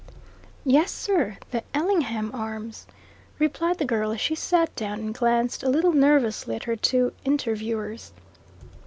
"Yes, sir, the Ellingham Arms," replied the girl as she sat down and glanced a little nervously at her two interviewers.